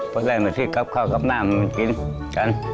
พอได้มาที่ครับครับครับนั่งกินกัน